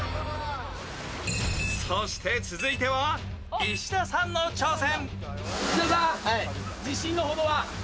そして続いては石田さんの挑戦。